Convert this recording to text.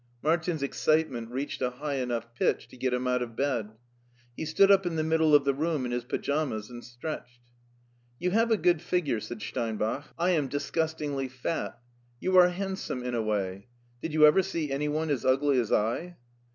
Martin's excitement reached a high enough pitch to get him out of bed. He stood up in the middle of the room in his pajamas and stretched. " You have a good figure," said Steinbach ;" I am disgustingly fat. You are handsome in a way. Did you ever see any one as ugly as I